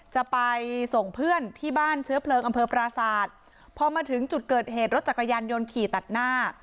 จะไปส่งเพื่อนที่บ้านเชื้อเพลิงอำเภอปราศาสตร์พอมาถึงจุดเกิดเหตุรถจักรยานยนต์ขี่ตัดหน้า